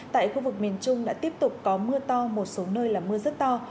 tại khu vực miền trung đã tiếp tục có mưa to một số nơi là mưa rất to